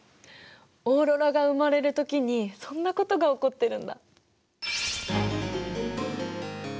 オーロラが生まれるときにそんなことが起こってるんだ。